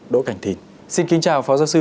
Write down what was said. đỗ cảnh thìn xin kính chào phó giáo sư